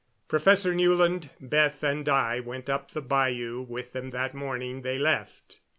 Professor Newland, Beth and I went up the bayou with them that morning they left.